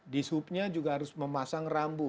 di subnya juga harus memasang rambu